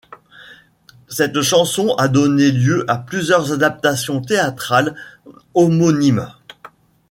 Cette chanson a donné lieu à plusieurs adaptations théâtrales homonymes.